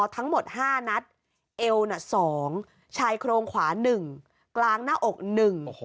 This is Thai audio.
ทั้งหมดห้านัดเอวน่ะสองชายโครงขวาหนึ่งกลางหน้าอกหนึ่งโอ้โห